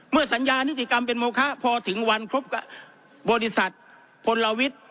สัญญานิติกรรมเป็นโมคะพอถึงวันครบกับบริษัทพลวิทย์